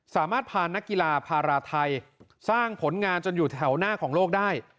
สามารถพานักกีฬาพาราไทยสร้างผลงานจนอยู่แถวหน้าของโลกได้